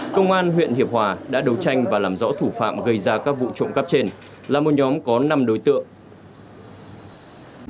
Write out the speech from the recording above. công an huyện hiệp hòa đã đấu tranh và làm rõ thủ phạm gây ra các vụ trộm cắp trên là một nhóm có năm đối tượng